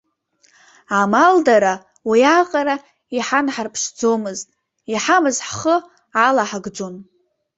Амалдара уиаҟара иҳанҳарԥшӡомызт, иҳамаз ҳхы алаҳагӡон.